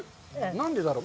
何でだろう。